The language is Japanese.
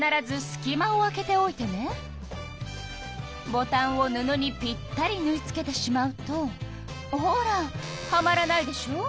ボタンを布にぴったりぬい付けてしまうとほらはまらないでしょ。